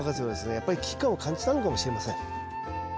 やっぱり危機感を感じたのかもしれません。